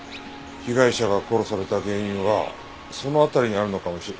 被害者が殺された原因はその辺りにあるのかもしれ。